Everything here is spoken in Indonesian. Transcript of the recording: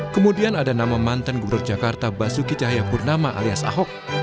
kemudian ada nama mantan gubernur jakarta basuki cahayapurnama alias ahok